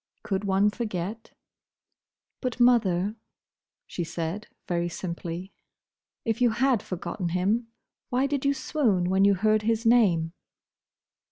Could one forget? "But, mother," she said, very simply, "if you had forgotten him, why did you swoon when you heard his name?"